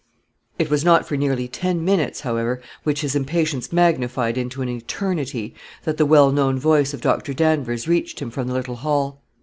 It was not for nearly ten minutes, however, which his impatience magnified into an eternity, that the well known voice of Dr. Danvers reached him from the little hall.